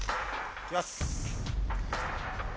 行きます！